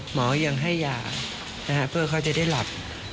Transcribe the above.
หมอยังให้ยาเพื่อเขาจะได้หลับ